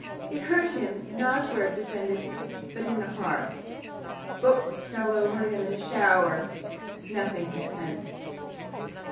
It hurt him, not where it descended, but in the heart. Books fell over him in a shower. Nothing had sense.